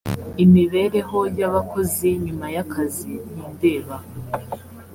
imibereho y’abakozi nyuma y’akazi ntindeba